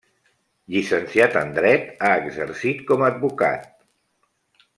Llicenciat en dret, ha exercit com a advocat.